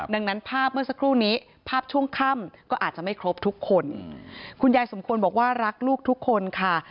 ดังนั้นภาพเมื่อสักครู่นี้ภาพช่วงค่ำก็อาจจะไม่ครบทุกคนคุณยายสมควรบอกว่ารักลูกทุกคนค่ะ